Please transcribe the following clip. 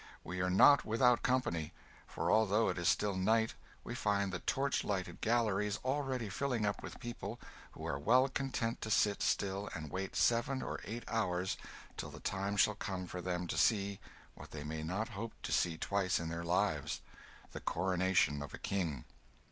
We are not without company; for although it is still night, we find the torch lighted galleries already filling up with people who are well content to sit still and wait seven or eight hours till the time shall come for them to see what they may not hope to see twice in their lives the coronation of a King.